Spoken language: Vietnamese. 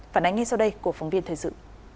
phản ánh ngay sau đây của phóng viên thời sự